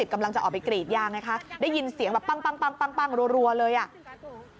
กำลังจะออกไปกรีดยางไงคะได้ยินเสียงแบบปั้งรัวเลยอ่ะ